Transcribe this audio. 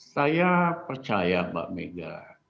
saya percaya mbak mega